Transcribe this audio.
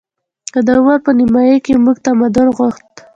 خو د عمر په نیمايي کې موږ تمدن غوښت